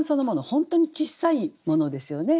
本当に小さいものですよね。